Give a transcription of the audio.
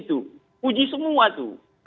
itu puji semua tuh